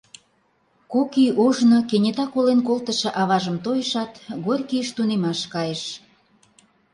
Кок ий ожно кенета колен колтышо аважым тойышат, Горькийыш тунемаш кайыш.